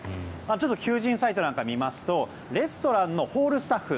ちょっと求人サイトなんか見ますとレストランのホールスタッフ